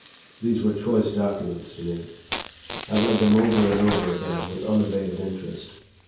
These were choice documents to me. I read them over and over again with unabated interest.